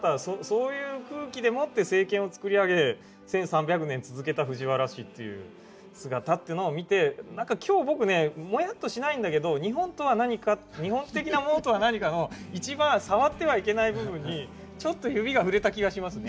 そういう空気でもって政権を作り上げ１，３００年続けた藤原氏という姿というのを見て何か今日僕ねもやっとしないんだけど日本とは何か日本的なものとは何かの一番触ってはいけない部分にちょっと指が触れた気がしますね。